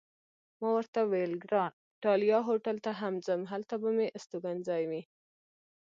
ما ورته وویل: ګران ایټالیا هوټل ته هم ځم، هلته به مې استوګنځی وي.